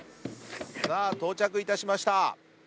さあ到着いたしました。